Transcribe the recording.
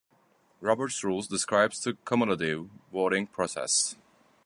Robert's Rules describes the cumulative voting process.